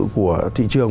của thị trường